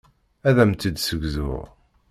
Ad am-tt-id-ssegzuɣ.